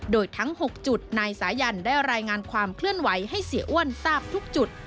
โดยทั้ง๖จุดนายสายันได้รายงานความเคลื่อนไหวให้เสียอ้วนทราบทุกจุด